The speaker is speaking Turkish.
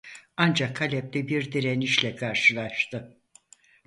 Ancak Halep'te bir direnişle karşılaştı.